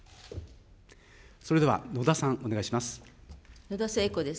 それでは野田さん、お願いします。